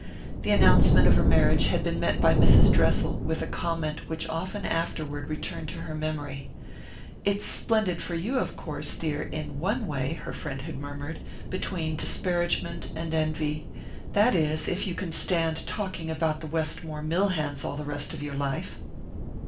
The announcement of her marriage had been met by Mrs. Dressel with a comment which often afterward returned to her memory. "It's splendid for you, of course, dear, in one way," her friend had murmured, between disparagement and envy "that is, if you can stand talking about the Westmore mill hands all the rest of your life."